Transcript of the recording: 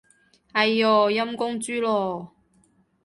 哎唷，陰公豬咯